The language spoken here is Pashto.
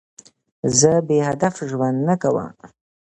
زه بېهدف ژوند نه کوم.